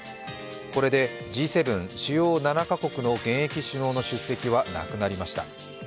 これでＧ７＝主要７か国の現役首脳の出席はなくなりました。